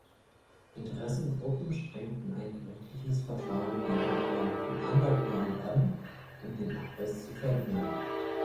Interessengruppen strengten ein gerichtliches Verfahren gegen London Underground an, um den Abriss zu verhindern.